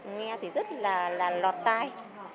nghe thì rất là lọt tai